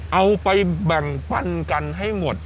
เอาไปแบ่งปันกันให้หมด